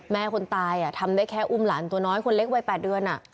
คนตายทำได้แค่อุ้มหลานตัวน้อยคนเล็กวัย๘เดือน